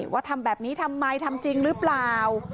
ว่าทำแบบนี้ทำไมทำจริงหรือเปล่า